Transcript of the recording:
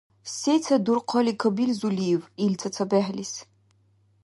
Сецад дурхъали кабилзулив ил цацабехӀлис?